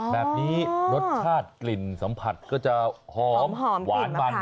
แบบนี้รสชาติกลิ่นสัมผัสก็จะหอมหวานมัน